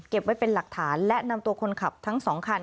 ไว้เป็นหลักฐานและนำตัวคนขับทั้งสองคัน